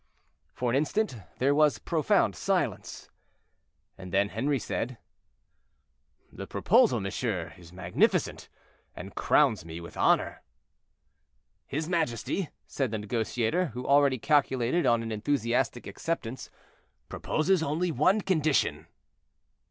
For an instant there was profound silence, and then Henri said: "The proposal, monsieur, is magnificent, and crowns me with honor." "His majesty," said the negotiator, who already calculated on an enthusiastic acceptance, "proposes only one condition."